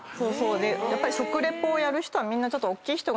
やっぱり食レポをやる人はみんなちょっと。